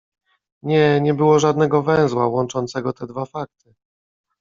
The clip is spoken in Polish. Nie, nie było żadnego węzła łączącego te dwa fakty.